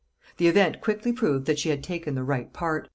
The event quickly proved that she had taken the right part.